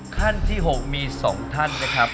ขั้นที่๖มี๒ท่านนะครับ